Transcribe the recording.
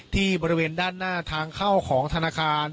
บริเวณด้านหน้าทางเข้าของธนาคาร